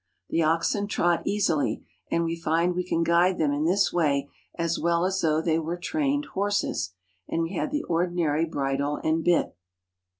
The oxen trot easily, and we find we can guide them in this way as well as though they were trained horSQS, and we had the ordinary bridle and bit.